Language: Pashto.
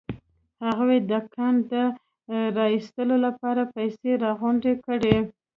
هغوی د کان د را ايستلو لپاره پيسې راغونډې کړې.